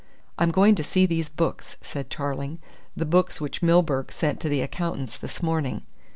"I'm going to see these books," said Tarling, "the books which Milburgh sent to the accountants this morning."